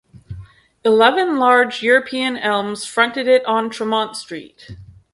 Eleven large European elms fronted it on Tremont Street.